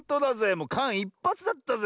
もうかんいっぱつだったぜ。